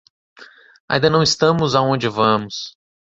Ainda não estamos aonde vamos.